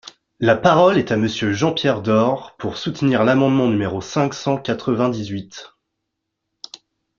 La parole est à Monsieur Jean-Pierre Door, pour soutenir l’amendement numéro cinq cent quatre-vingt-dix-huit.